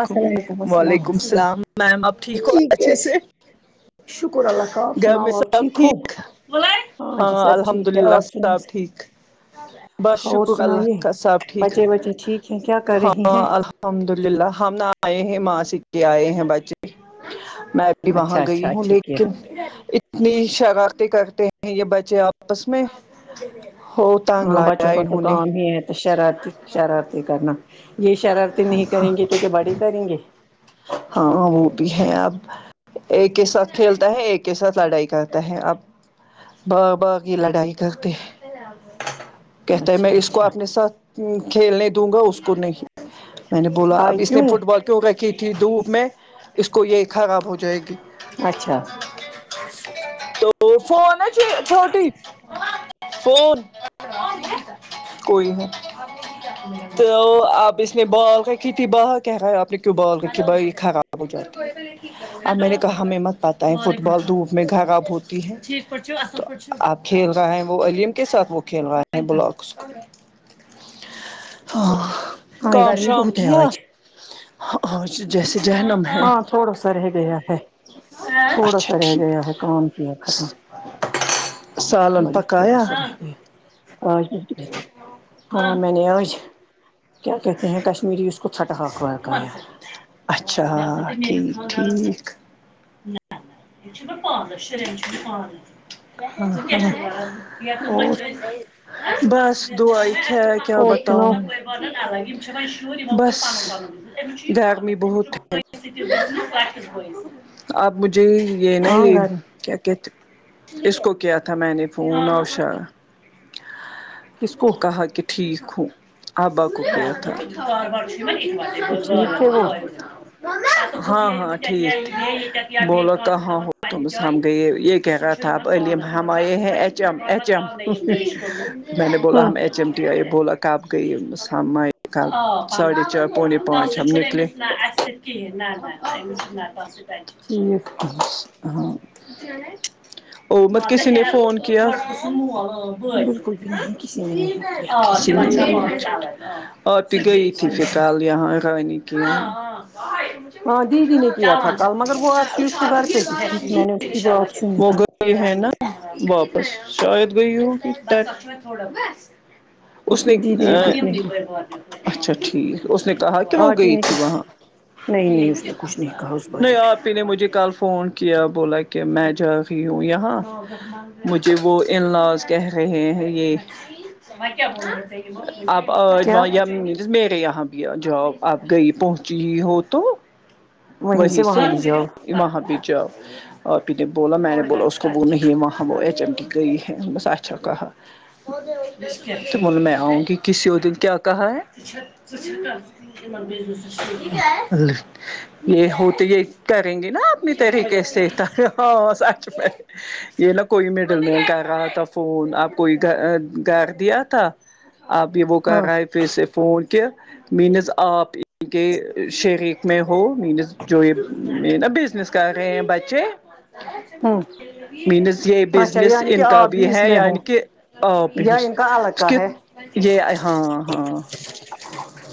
السلام علیکم السلام وعلیکم السلام میم آپ ٹھیک ہو عیکم اچھے سے یک شکر اللہ خاب گھر سنا میں آپ سب ٹھیک ہو جی ہاں سب الحمد ٹھیک ہے للہ آپ سن سحب ٹھیک بس اور شکر اللہ سنائیے کاا صحب ٹھیک بچے بچے ٹھیک ہیں کیا کر ہاں رہی ہیں اللہ الحمد للہ ہم نہ آئے ہیں ماں س کے آئے ہیں بچے میں وہاں اچھا اچھا گئی ہوں اچھا کیا لیکن اتنی شراکی کرتے ہیں یہ بچے آپس میں ہو تانگ ہاں لایا بچوں کا تو انہوں نے کام ہی ہے شرارتی شرارتی کرنا یہ شرارتی نہیں کریں گی تو کیا بڑے کریں گے ہاں وہ بھی ہے اب ایک کے ساتھ کھیلتا ہے ایک کے ساتھ لڑائی کرتا ہے اب باغ بھا کی لڑائی کرتے کہتا ہے میں اچھا اس کو اچھا اپنے ساتھ کھیلنے دوں گا اس کو نہیں میں نے بولا ہاں اب اس نے کیوں فٹ بال کیوں کیا کی تھی دھوپ میں اس کو یہ خراب ہو جائے گی اچھا تو فون ہے چ چھوٹی فون کوئی نہیں تو آپ اس نے بال کا کی تھی ب کہ رہا آپ نے کی بال بھائی کھاات اب میں نے کہا ہمیں مت پاتا ہے فٹ بال دھوپ میں خراب ہوتی ہے آپ کھیل رہا ہے وہ علیم کے ساتھ وہ کھیل رہا ہے ہاں ہاں کا گرمی شام بہت ہے کن آج ہاں جیسے جہ نم ہاں تھوڑا سر ہے گ ہے ہے تھوڑا اچھا سا رہ گیا ٹھیک ہے کام کیا ختم سالن پکایا آ ہاں میں نے آج کیا کہتے ہیں کشمیری اس کو چھٹا وقا ہے اچھا ایک س میں اور بس دعا ک کیا اور سنو بتاؤں بس گرمی بہت آپ مجھے یہ ہاں نہیں گھر کیا کیا اس کو کیا تھا میں نے فون اور ش کس کو کہا کہ ٹھیک ہو آ باککری تھا ا جی ہاں ہاں ٹھیک ھیک بولو تو ہاں ہو تم ہم گئی یہ کہہ رہا تھا استاب علیم ہمارے ہیں ایچ ایم ایچ ایم میں نے بولا ہاں ہم ایچ ایم ٹی آئے بولا کب گئی بس ہم آئے کب ساڑھے چار پونے پانچ ہم اس س کی ٹھیک ہاں اور م کسی نے فون مول بالکل بھی ہاں نہیں بآ کسی نے نہیں کیا آپ گ تھی فکال یہاں کہ ہاں دیدی نے کیا تھا کل مگر وہ عرشی اس کو گھر پہ ہی تھی میں نے اس کہ کی بات سنی ہوک ہے نا واپس شاید گ یہ اس نے اچھاٹھ اس نے کہا کہ وہ آپ ہی گئی نے تھی کیا وہاں نہیں نہیں اس نے کچھ نہیں کہا اس نہیں بارے میں آپ پی نے مجھے کل فون کیا بولا کہ میں جا رہی ہوں یہاں مجھے وہ انلاز کہہ رہے ہیں یہ آپ کیا کہ یہاں بھییا جاب آپ گئی پہنچی ہو تو وہیں سے وہاں بھی جاؤ وہاں پہ جاؤ اور پی نے بولا میں نے بولا اس کو بول نہیں ہے وہاں وہ چمکی گئی ہے بس اچھا کہا مول میں آؤں گی کسی ہو دل کیا کہا ہے ہاں یہ ہو تو یہ کریں گے نا اپنی طریقے سے ہاں سچ میں یہ نہا کوئی مڈل نہیں کرہ رہا تھا فون اب کوئی گ گھر دیا تھا آپ یہ وہ کر ہاں رہے پھر سے فون کہہ مینز آپ کے شریک میں مین جو یہ نا بزنس کر رہے ہیں بچے ہاں مینس یہ بزنس ان کا بھی اس ہے میں ہو یعنی کہ آپ یا ان کا الگ کا ہے ہاں ہاں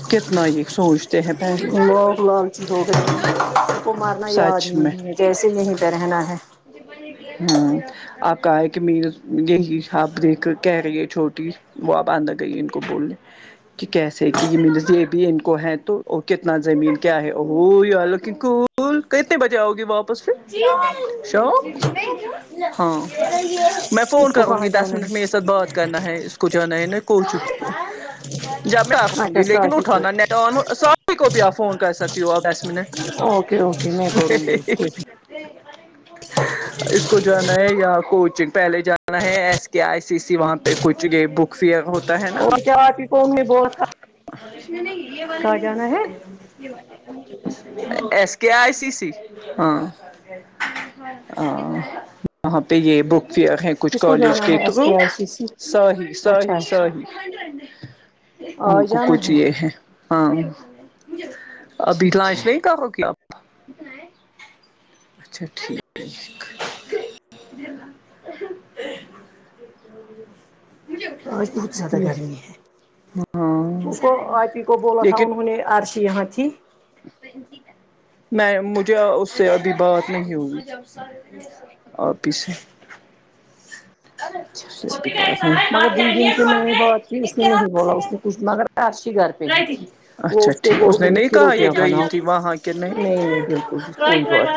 کتنا یہ سوچتے ہیں پہلے لوک لالچی ہو گئے سب کو مارنا یاد سچ ہی نہیں ہے جیسے یہیں پہ رہنا ہے ہاں آپ کہ ہے کہ م یہی آپ دیکھ کہہ رہی ہے چھوٹی وہ آپ آندہ گئی ان کو بولنےیں کہ کیسے کہ یہ مل یہ بھی ان کو ہے تو کتنا زمین کیا ہے ا یہ والو کینک اسکول کتنے بجے آؤ گے واپس پھر شام ہاں میں فون اس کو کروں کہاں گی دس جانا ہے منٹ میںے ساتھ بات کرنا ہے اس کو جانا ہے نہیں کو چک جب میں آوں اچھا گی لیکن ساحد کو اٹھانا سب کو بھی آپ فون کر سکتی ہو آ ایس مٹ اوکے اوکے میں کروں گی اس کو اس کو جانا ہے یہاں کوچنگ پہلے جانا ہے ایس کے آئی سی سی وہاں پہ کچھ یہ بک فیئر ہو اور کیا آات کووم نے بول تھا ہرشن نے یہ کہاں والالین جانا ہے ایس کے آئی سی سی ہاں ا وہاں پہ یہ بک بھی کچھ کس کو کالج جانا کے ہے ایس تھرو آئی سی سی ساہی اچھا ساہی اچھا ساہی ان آج کو جانا کچھ یہ ہے ہاں ابھی ٹھیک لانچ ہے نہیں کرو گپ [unintelligible] اچھا ٹھیک ہے [unintelligible] آج بہت زیادہ گرمی ہے [unintelligible] ہاں اس کو آئی پی کو بولا تھا لیکن انہوں نے عرشی یہاں تھی [unintelligible] میں مجھے اس سے ابھی بات نہیں ہوئی [unintelligible] اور پیسھے [unintelligible] ارے اچھا م س اچھا بات مگر دیدی سے میں نے بات کی اس نے نہیں [unintelligible] بولا [unintelligible] کچ مگر [unintelligible] پش ہی گھر پہ ہی تھی رائٹنگ وہ اچھا اس کے ٹھیک بول نے رہی نہیں تھی کہا یہ روٹیاں گئی بناؤ نہیں نہیں بالکل [unintelligible]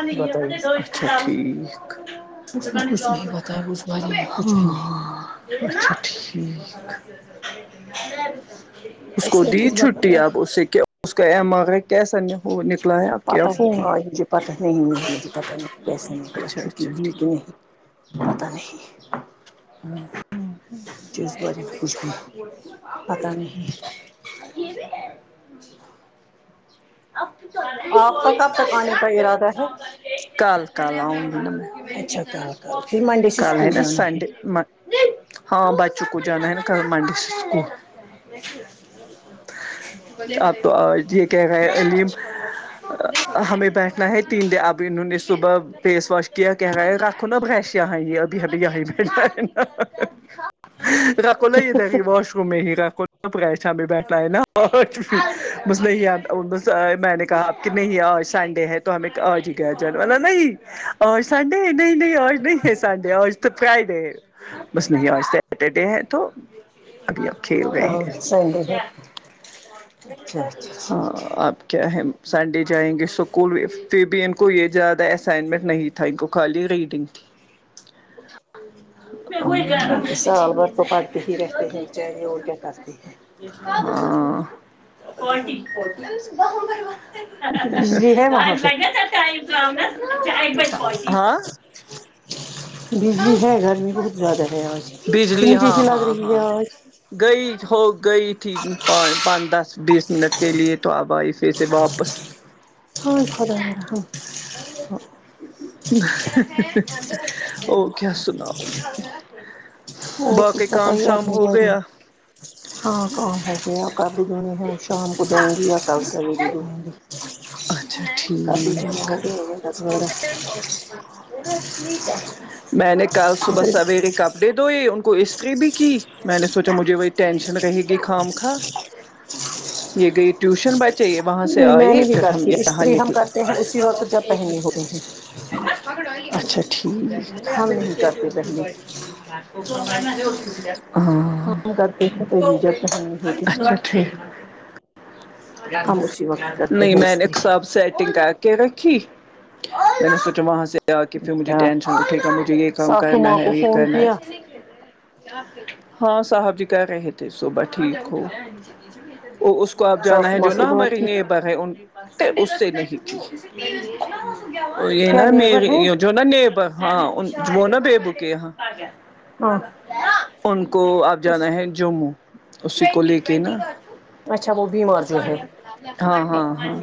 نہیں بتائی اس نے [unintelligible] ج اس نے کچھ نہیں جؤ بتایا اس بارے میں کچھ بھی [unintelligible] نہیں ہاں اچھا ٹھیک [unintelligible] اس کو نے دی کچھ چھٹی بتایا آپ اس سے کیا اس کا ایم آگا کیسا نکلا ہے آپ کیا پتہ ہی فون آ مجے پتہ نہیں نہیں مجھے پتہ نہیں کیسے نکلا اچھا چھٹی اچھا دی کہ نہیں ٹھیک پتہ نہیں ہاں مجھے اس بارے میں کچھ بھی پتا نہیں ج آپ تو آپ کا کب تک آنے کا ارادہ ہے کل کال آؤں میں اچھا کل کل پھر منڈے سے کل ہے اسکول نا جانا سنڈے م ہاں بچوں کو جانا ہے نا ک منڈ سے اسکول آپ تو یہ کہ ہے اچھا علیم اچھا ہمیں بیٹھنا ہے تین دن اب انہوں نے صبح فیس واش کے کیا کیا گ رھو نا بغیشیا ابھی ہل آ ما ر کو ل ہی تھا کہ بش میں ہی شام بیٹھنا ہے نا اور مجھلےد س میں نے کہا آپ کہ نہیں آج سنڈے ہے تو ہمیں آج ہی گیا جان والا نہیں اور سنڈے نہیں نہیں اور نہیں ہے سنڈے اور تو فرائیڈے ہے بس نہیں آج سٹرڈے ہے تو ابھی اکھھی ہو گئے کل سنڈے ہے ہیں اچھا اچھا ٹھیک ہے آپ کیا ہے سنڈے جائیں گے اسکول پھر بھی ان کو یہ زیادہ اسائنمنٹ نہیں تھا تھینک یو خالی ریڈنگ کی ج پ ہوئی ہ سال بار تو پڑھتے ہی رہتے ہیں بیچارے اور کیا کرتے ہیں ہ بجلی ہے وہاں لگ پہ ائم دنس بجلی ہے گرمی بہت زیادہ ہے آج کہ بجلی مجھے ہاں ایسی لگ ہاں رہی ہے ہاں آج گئی ہو گئی تھی پ دس بیس منٹ کے لیے تو آبائی پے سے واپس ہاں خدر رہا ہا [unintelligible] او کیا سناؤ اور کچھ باقی کام بتائیے آپ شام نے ہو بارے میں۔ گیا ہاں تواں ہے گ آ کر بھی گنے ہیں شام کو دؤں گی آ ت سویری د اچھا کفی ج ٹھیک ہوسار میں نے کل صبح سویرے کپڑے دھوئے ان کو استری بھی کی میں نے سوچا مجھے وہ ٹینشن رہی گئی خو م خواہ یہ گئی ٹیوشن بچے یہ وہاں سے میں آئے نہیں پھر ہم کرتی یہاں استری ہم نکلے کرتے ہیں اسی وقت جب پہنگے ہوئے ہیں اچھا ہم نہیں کرتے ٹھیک پہلے [unintelligible] ہاں ہم کرتے ہیں تبھی جب اچھاچ پہننے ہوتے ہیں ھیک ہم اسی وقت کرتے نہیں ہیں میں نے استری ایک سب سیٹنگ کر کے رھی م سو م سے آ کے پھر مجھے اچھا ٹینشن اٹھے گا مجھے یہ کام ساسو کرنا ماں ہے کو یہ فون کرنا کیا ہے ہاں صاحب جی کر رہے تھے صبح ٹھیک ہو وہ اس کو آپ جانا ہے ساسو ماں جو سے نا ہمارے بات کی لی ہے ان نے اس سے نہیں کی یہ کیا نا نیبر ہے م جو نا نیبر ہاں وہ نا بیےبو کے یہاں ہاں ان کو آپ جانا ہے جموں اسی کو لے کے نا اچھا وہ بیمار جو ہے ہاں ہاں ہاں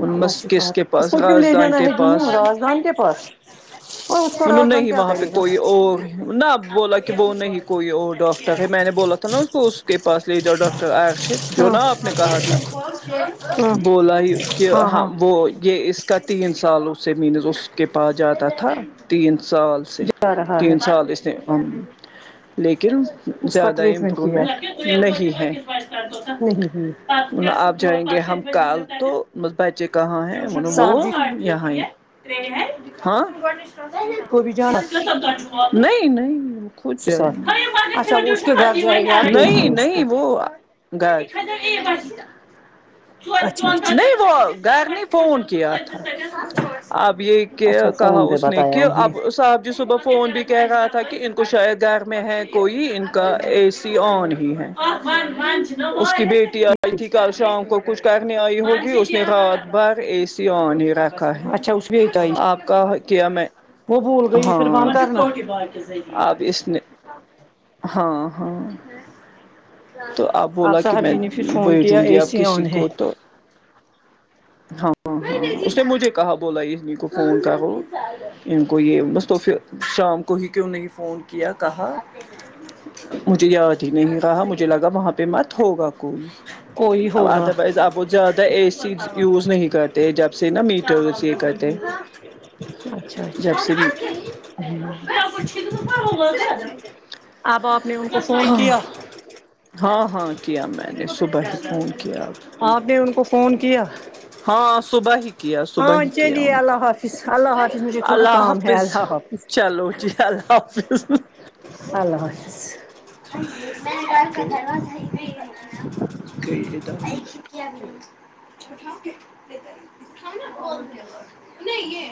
ان اللہ مس کس شفات کے اس پاس کو کیوں لے راجدان جانا کے ہے پاس جموں رازدان کے پاس اور اس کو انوں رازدان نہیں کیا وہاں پہ کرے گا کوئی اور نہ ا بولا کہ وہ نہیں کوئی اور ڈاکٹر ہے میں نے بولا ت تو نا اس ب کو اس کے پاس ل لی جاؤ ڈاکٹر آیا ہے جو ہاں نا آپ نے کہا تھا ہاں بولا ہی ہاں ہاں ہاں وہ یہ اس کا تین سال اسے مینز اس کے پاس جاتا تھا تین سال سے جا رہا ہے تین سال ا اس لیکن اس کا زیادہ ٹریٹمنٹ کیا امپرومنٹ نہیں ہے [unintelligible] آپ جائیں گے ہم کال تو ب بچے کہاں ہیں م وہ صاحب جی یہاں ہی ہاں کو بھی جانا نہیں نہیں کھ ساتھ اچھا وہ اس کے گھر جائے گا آپ دیکھ نہیں لیں اس نہیں کو وہ اچھا اچھا نہیں وہ گھر نہیں فون کی اب یہ اچھا کیا کہا فون پہ اس نے بتایا کہ انہیں اباب ج صبح فون بھی کہہ رہا تھا کہ ان کو شاید گھر میں ہے کوئی ان کا اے سی آن ہی ہے اس کی بیٹی آئی تھی کل شام کو کچھ کرنے آئی ہوگی اس نے رات بھر اے سی آنی رکھ اچھا اس بھیتائی آپ کا کیا میں وہ بھول گئی پھر فون ہاں کرنا آپ اس نے ہاں ہاں تو آپ بولا کہ صاحب میں جی نے پھر فون بھیجوں کیا گی اے اپ سی کسی آن ہے کو تو ہاں ہاںاں اس نے مجھے کہا بولا یہ کو فون کر ان کو یہ بس تو پھر شام کو ہی کیوں نہیں فون کیا کہا مجھے یاد ہی نہیں رہا مجھے لگا وہاں پہ مت ہوگا کوئی کوئی اب ہوگا ادروائز اپ وہ زیادہ اے سی یوز نہیں کرتے جب سے نا میٹر اس یہ کرتے [unintelligible] جب اچھا سے بھی اب آپ نے ان کو فون کیا ہاں ہاں کیا میں نے صبح ہی فون کیا آپ نے ان کو فون کیا ہاں صبح ہی کیا صبح ہاں ہی کیا چلیے ان کو اللہ حافظ اللہ حافظ مجھے تھوڑا اللہ کام ہے حافظ اللہ حافظ چلو جی اللہ حافظ اللہ حاظ [unintelligible] گئے ہیں تو اچھاٹھ نا نہیں یہ